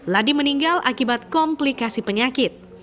ladi meninggal akibat komplikasi penyakit